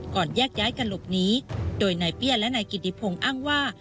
ก่อนแยกย้ายกันหลบหนีโดยไหน้เปี้ยและไหน้กิติพงอ้างว่า